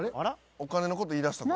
お金のこと言いだしたぞ。